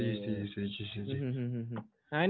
terus terus terus terus